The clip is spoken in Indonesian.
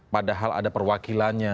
padahal ada perwakilannya